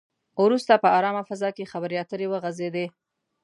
وروسته په ارامه فضا کې خبرې اترې وغځېدې.